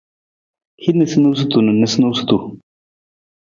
Hin niisaniisatu na noosunoosutu.